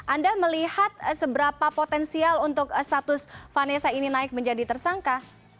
anda melihat seberapa potensial untuk status vanessa ini naik menjadi tersangka